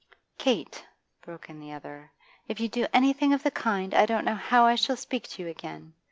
'Kate,' broke in the other, 'if you do anything of the kind, I don't know how I shall speak to you again.